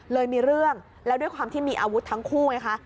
มีเรื่องแล้วด้วยความที่มีอาวุธทั้งคู่ไงคะ